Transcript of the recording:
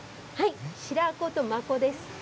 白子と真子です。